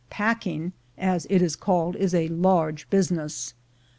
"Packing," as it is called, is a large business.